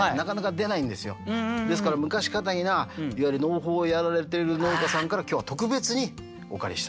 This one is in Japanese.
ですから昔かたぎないわゆる農法をやられてる農家さんから今日は特別にお借りした。